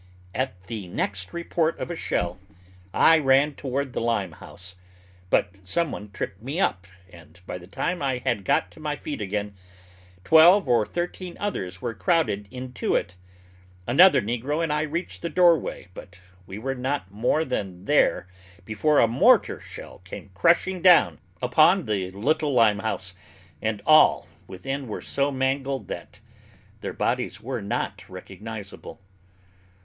At the next report of a shell I ran toward the lime house, but some one tripped me up, and, by the time I had got to my feet again, twelve or thirteen others were crowded into it. Another negro and I reached the doorway, but we were not more than there before a mortar shell came crushing down upon the little lime house, and all within were so mangled that their bodies were not recognizable.